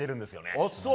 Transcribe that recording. あっ、そう？